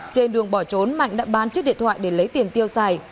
trên đường bỏ trốn mạnh đã bán chiếc điện thoại để lấy tiền tiêu xài